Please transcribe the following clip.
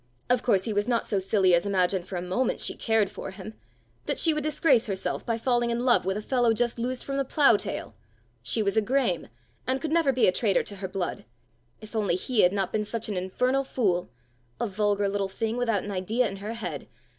Of course he was not so silly as imagine for a moment she cared for him! that she would disgrace herself by falling in love with a fellow just loosed from the plough tail! She was a Graeme, and could never be a traitor to her blood! If only he had not been such an infernal fool! A vulgar little thing without an idea in her head!